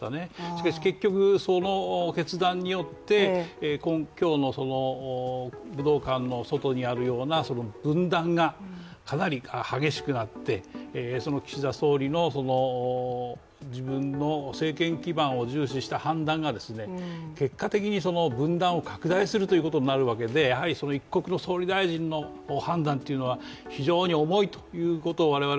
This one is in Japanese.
しかし結局、その決断によって、今日の武道館の外にあるような分断がかなり激しくなって、その岸田総理の自分の政権基盤を重視した判断が結果的に分断を拡大するということになるわけでやはりその一国の総理大臣の判断っていうのは非常に重いということを我々